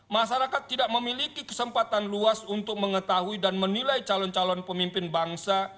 masyarakat tidak memiliki kesempatan luas untuk mengetahui dan menilai calon calon pemimpin bangsa